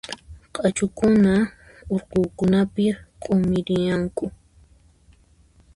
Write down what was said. Q'achukuna urqukunapi q'umirianku.